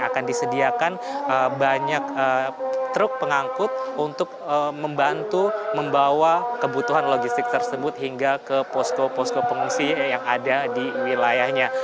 akan disediakan banyak truk pengangkut untuk membantu membawa kebutuhan logistik tersebut hingga ke posko posko pengungsi yang ada di wilayahnya